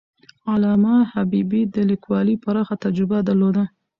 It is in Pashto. علامه حبيبي د لیکوالۍ پراخه تجربه درلوده.